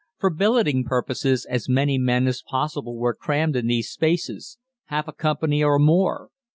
For billeting purposes as many men as possible were crammed in these places half a company or more.